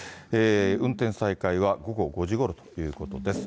運転再開は午後５時ごろということです。